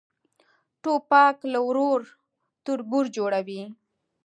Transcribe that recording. توپک له ورور تربور جوړوي.